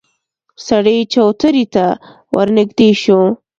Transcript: سړی چوترې ته ورنږدې شو.